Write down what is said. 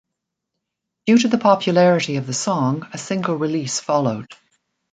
Due to the popularity of the song a single release followed.